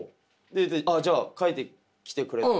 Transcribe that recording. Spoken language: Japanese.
「ああじゃあ書いてきてくれ」